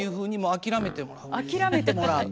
諦めてもらう。